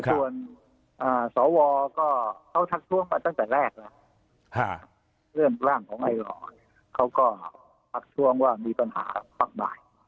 ส่วนสวก็เขาทักท้วงมาตั้งแต่แรกแล้วเรื่องร่างของไอลอเขาก็ทักทวงว่ามีปัญหามากมาย